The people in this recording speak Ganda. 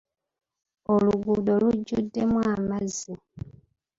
Oluguudo lujjuddemu amazzi.